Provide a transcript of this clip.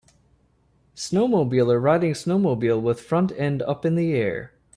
Snowmobiler riding snowmobile with front end up in the air.